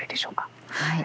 はい。